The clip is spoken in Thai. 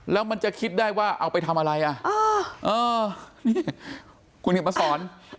แล้วมันจะคิดได้ว่าเอาไปทำอะไรอ่ะเออนี่คุณเขียนมาสอน